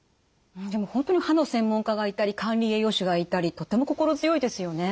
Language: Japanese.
でも本当に歯の専門家がいたり管理栄養士がいたりとっても心強いですよね。